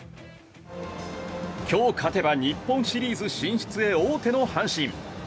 今日勝てば日本シリーズ進出へ王手の阪神。